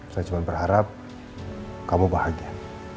saya cuma berharap kamu bahagia